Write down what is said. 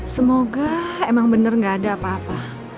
semoga emang bener gak ada apa apa